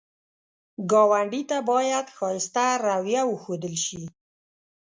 ګاونډي ته باید ښایسته رویه وښودل شي